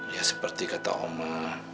ya seperti kata ibu